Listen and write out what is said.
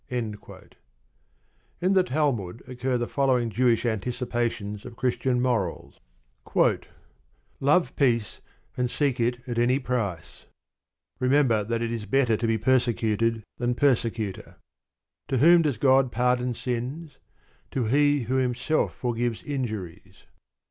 In the Talmud occur the following Jewish anticipations of Christian morals: Love peace, and seek it at any price. Remember that it is better to be persecuted than persecutor. To whom does God pardon sins? To him who himself forgives injuries.